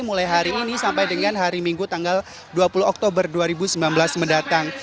mulai hari ini sampai dengan hari minggu tanggal dua puluh oktober dua ribu sembilan belas mendatang